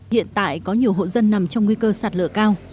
hiện tại có nhiều hội dân nằm trong nguy cơ sạt lờ cao